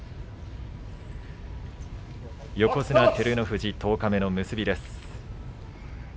横綱照ノ富士、十日目の結びです。